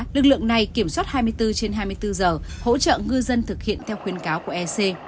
lực lượng này kiểm soát hai mươi bốn trên hai mươi bốn giờ hỗ trợ ngư dân thực hiện theo khuyến cáo của ec